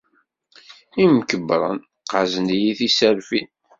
Imkebbren qqazen-iyi tiserfin.